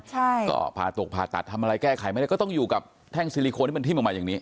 ใช่ก็ผ่าตกผ่าตัดทำอะไรแก้ไขไม่ได้ก็ต้องอยู่กับแท่งซิลิโคนที่มันทิ้มออกมาอย่างนี้